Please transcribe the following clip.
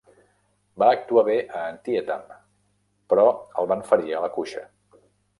Va actuar bé a Antietam, però el van ferir a la cuixa.